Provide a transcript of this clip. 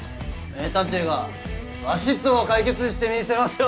名探偵がバシっと解決してみせましょう。